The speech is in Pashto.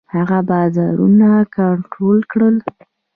هغه بازارونه کنټرول کړل.